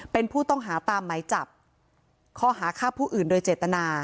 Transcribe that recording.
เป็นผู้ต้องหาตามไหมจับข้อหาฆ่าผู้อื่นโดยเจตนา